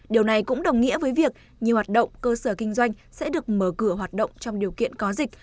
điều này cũng đồng nghĩa với việc nhiều hoạt động cơ sở kinh doanh sẽ được mở cửa hoạt động trong điều kiện có dịch